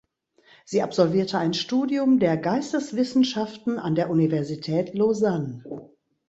Sie absolvierte ein Studium der Geisteswissenschaften an der Universität Lausanne.